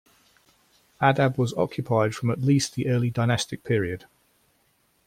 Adab was occupied from at least the Early Dynastic period.